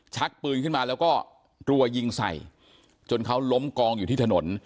ชักปืนขึ้นมาแล้วก็รัวยิงใส่จนเขาล้มกองอยู่ที่ถนน